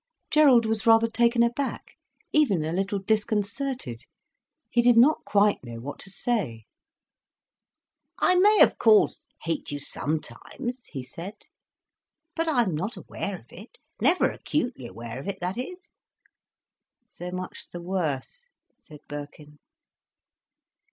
Gerald was rather taken aback, even a little disconcerted. He did not quite know what to say. "I may, of course, hate you sometimes," he said. "But I'm not aware of it—never acutely aware of it, that is." "So much the worse," said Birkin.